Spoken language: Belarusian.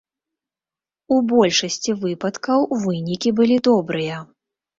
У большасці выпадкаў вынікі былі добрыя.